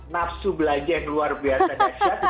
nafsu belajar yang luar biasa dahsyat